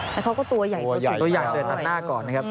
แล้วเขาก็ตัวใหญ่ตัวสุดตัวใหญ่ตัวใหญ่ตัดหน้าก่อนนะครับ